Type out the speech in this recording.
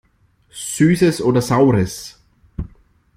Süßes oder Saures!